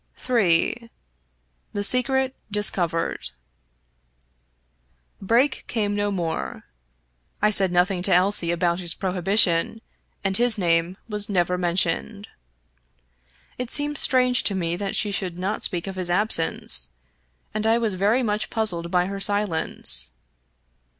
64 Fitzjames O'Brien III THE SECRET DISCOVERED Brake came no more. I said nothing to Elsie about his prohibition, and his name was never mentioned. It seemed strange to me that she should not speak of his absence, and I was very much puzzled by her silence.